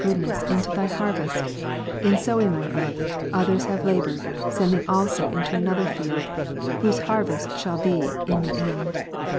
goodness into Thy harvest, in sowing whereof, others have 3g ■' laboured, sending also into another field, whose harvest shall Mat. 13, be in the end.